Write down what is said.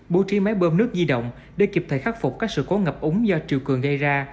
bố trí máy bơm nước di động để kịp thời khắc phục các sự cố ngập úng do triều cường gây ra